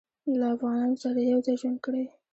له افغانانو سره یې یو ځای ژوند کړی.